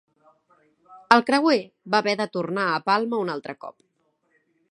El creuer va haver de tornar a Palma un altre cop.